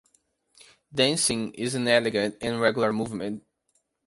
Dancing is an elegant, and regular movement.